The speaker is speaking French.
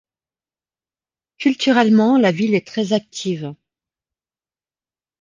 Culturellement la ville est très active.